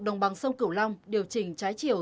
đồng bằng sông cửu long điều chỉnh trái chiều